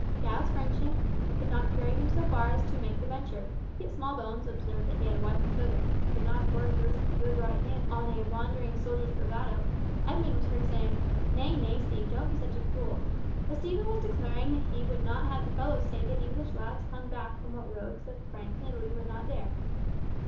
Giles's friendship could not carry him so far as to make the venture; Kit Smallbones observed that he had a wife and children, and could not afford to risk his good right hand on a wandering soldier's bravado; Edmund was heard saying, "Nay, nay, Steve, don't be such a fool," but Stephen was declaring he would not have the fellow say that English lads hung back from what rogues of France and Italy would dare.